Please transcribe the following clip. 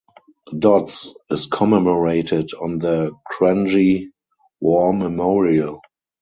Dodds is commemorated on the Kranji War Memorial.